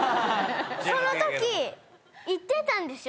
その時言ってたんですよ